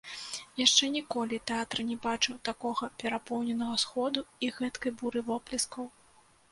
Яшчэ ніколі тэатр не бачыў такога перапоўненага сходу і гэткай буры воплескаў.